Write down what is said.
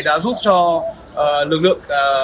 đã giúp cho lực lượng